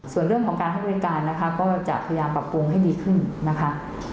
ส่วนเรื่องของการให้บริการนะคะก็จะพยายามปรับปรุงให้ดีขึ้นนะคะ